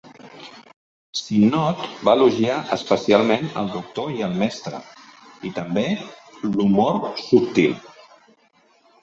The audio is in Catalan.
Sinnott va elogiar especialment el Doctor i el Mestre, i també l'"humor subtil".